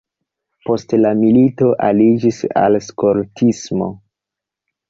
Post la milito aliĝis al skoltismo.